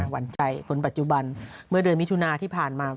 หวันใจคนปัจจุบันเมื่อเดือนมิถุนาที่ผ่านมา